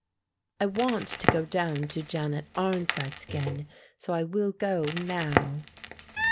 "I want to go down to Janet Arnside's again, so I will go now."